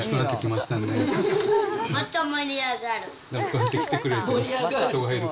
また盛り上がる。